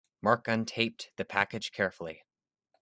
Mark untaped the package carefully.